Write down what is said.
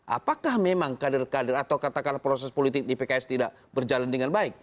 apakah memang kader kader atau katakanlah proses politik di pks tidak berjalan dengan baik